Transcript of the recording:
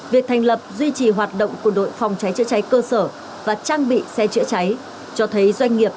việc thành lập duy trì hoạt động của đội phòng cháy chữa cháy cơ sở và trang bị xe chữa cháy cho thấy doanh nghiệp